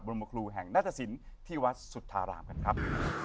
บรมคลูแห่งนัตรสินที่วัดสุธารามกันครับ